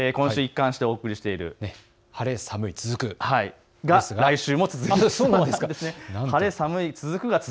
今週に一貫してお送りしている晴れ、寒い、続く、が来週も続くんですね。